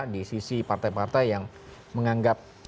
di sisi partai partai yang menganggap